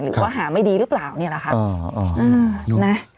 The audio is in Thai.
หรือว่าหาไม่ดีหรือเปล่าเนี่ยนะคะ